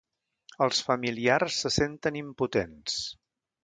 Els familiars se senten impotents.